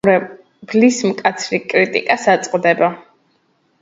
მაყურებლის მკაცრ კრიტიკას აწყდება.